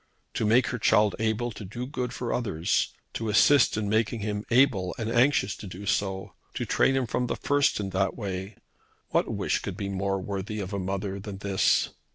To make her child able to do good to others, to assist in making him able and anxious to do so, to train him from the first in that way, what wish could be more worthy of a mother than this?